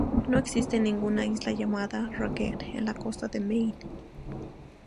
No existe ninguna isla llamada Ragged en la costa de Maine.